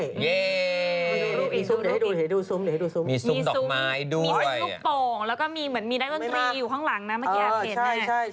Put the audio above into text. เย้ดูรูปอีกดูรูปอีกมีซุ้มดอกไม้ด้วยมีซุ้มโป่งแล้วก็เหมือนมีไลน์ออนทรีย์อยู่ข้างหลังนะเมื่อกี้อาจเห็น